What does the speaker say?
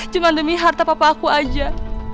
cuma demi harta papa aku aja